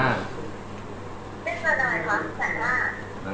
เรียกกันอะไรคะ๑๕๐๐๐๐๐บาท